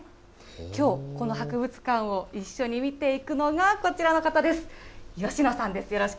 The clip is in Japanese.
きょう、この博物館を一緒に見ていくのがこちらの方です。